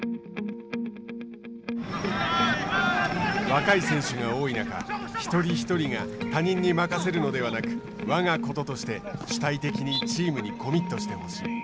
若い選手が多い中一人一人が他人に任せるのではなくわがこととして主体的にチームにコミットしてほしい。